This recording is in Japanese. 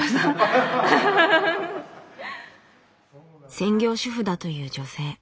専業主婦だという女性。